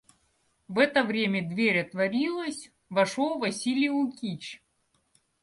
В это время дверь отворилась, вошел Василий Лукич.